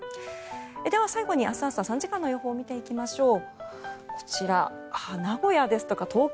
では、最後に明日朝３時間の予報を見ていきましょう。